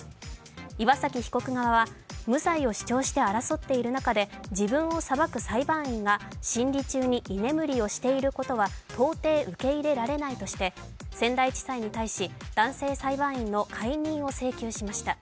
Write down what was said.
岩崎被告側は無罪を主張して争っている中で自分を裁く裁判員が審理中に居眠りをしていることは到底受け入れられないとして仙台地裁に対し、男性裁判員の解任を請求しました。